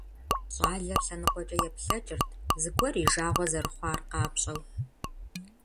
Щӏалэр лъэныкъуэкӏэ еплъэкӏырт, зыгуэр и жагъуэ зэрыхъуар къапщӀэу.